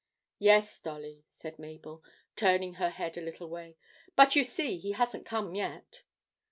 'Yes, Dolly,' said Mabel, turning her head a little away; 'but you see he hasn't come yet.'